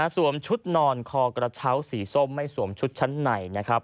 ชุดนอนคอกระเช้าสีส้มไม่สวมชุดชั้นในนะครับ